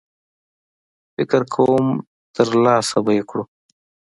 فکر کوم ترلاسه به یې کړو.